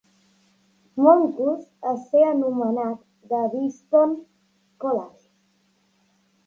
Moncus a ser anomenat Daviston College.